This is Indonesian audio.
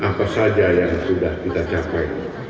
apa saja yang sudah kita capai